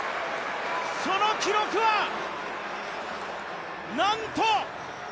その記録は、なんと！